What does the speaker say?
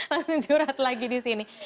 langsung curhat lagi di sini